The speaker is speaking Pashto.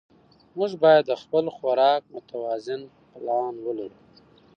موږ باید د خپل خوراک متوازن پلان ولرو